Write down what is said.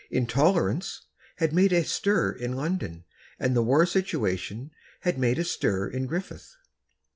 "Intolerance" had made a stir in London, and the war situation had made a stir in Griffith.